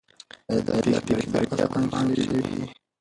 آیا دا پېښې په رښتیا په اصفهان کې شوې دي؟